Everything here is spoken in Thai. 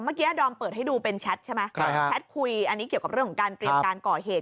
เมื่อกี้ดอมเปิดให้ดูเป็นแชทใช่ไหมแชทคุยอันนี้เกี่ยวกับเรื่องของการเตรียมการก่อเหตุ